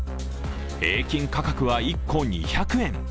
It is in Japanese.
平均価格は１個２００円。